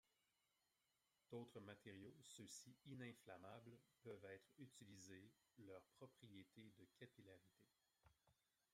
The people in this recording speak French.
D'autres matériaux, ceux-ci ininflammables, peuvent être utilisés leurs propriétés de capillarité.